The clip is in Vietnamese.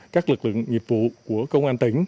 các lực lượng nhiệm vụ của công an tỉnh